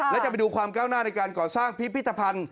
และจะไปดูความก้าวหน้าในการก่อสร้างพิพิธภัณฑ์